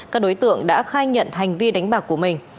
các đối tượng đã khai nhận hành vi đánh bạc của mình